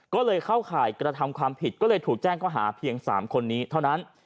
ก็เลยเข้าข่ายกระทำความผิดก็เลยถูกแจ้งข้อหาเพียง๓คนนี้เท่านั้น